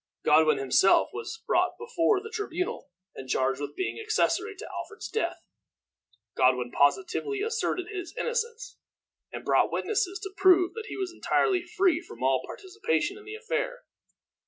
Godwin himself was brought before the tribunal, and charged with being accessory to Alfred's death. Godwin positively asserted his innocence, and brought witnesses to prove that he was entirely free from all participation in the affair.